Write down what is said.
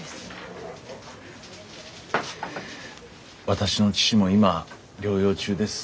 私の父も今療養中です。